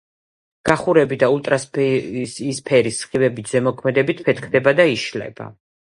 გახურებით და ულტრაიისფერი სხივების ზემოქმედებით ფეთქდება და იშლება.